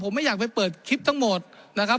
ผมไม่อยากไปเปิดคลิปทั้งหมดนะครับ